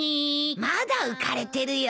まだ浮かれてるよ。